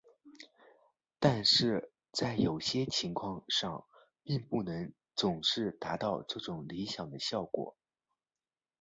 但是在有些情况上并不能总是达到这种理想的效果。